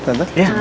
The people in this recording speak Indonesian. ntar lagi ya